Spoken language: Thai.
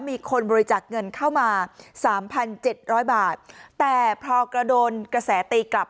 มีคนบริจาคเงินเข้ามาสามพันเจ็ดร้อยบาทแต่พอกระโดนกระแสตีกลับ